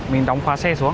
mình đóng khóa xe xuống